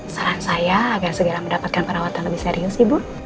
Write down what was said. saran saya agar segera mendapatkan perawatan lebih serius ibu